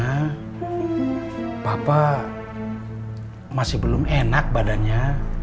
neng papa masih belum enak badannya